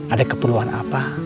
ada keperluan apa